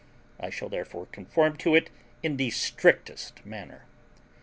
I shall therefore conform to it in the strictest manner.